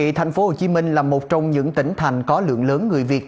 thưa quý vị thành phố hồ chí minh là một trong những tỉnh thành có lượng lớn người việt